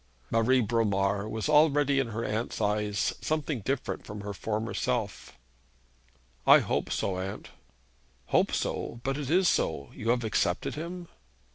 Marie Bromar was already in her aunt's eyes something different from her former self. 'I hope so, aunt.' 'Hope so; but it is so, you have accepted him?'